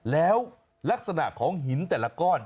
แล้วลักษณะของหินแต่ละก้อน